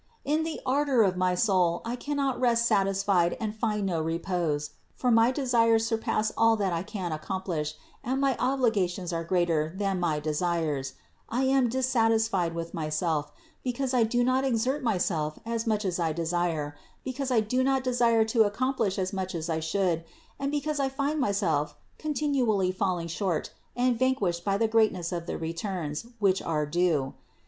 In the ardor of my soul I cannot rest satisfied and I find no repose ; for my desires surpass all that I can accomplish and my obligations are greater than my desires ; I am dissatisfied with myself, because I do not exert myself as much as I desire, because I do not desire to accomplish as much as I should, and be cause I find myself continually falling short and van quished by the greatness of the returns which are due.